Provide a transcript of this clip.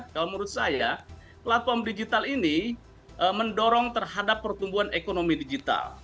kalau menurut saya platform digital ini mendorong terhadap pertumbuhan ekonomi digital